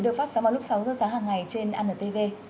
được phát sóng vào lúc sáu giờ sáng hàng ngày trên anntv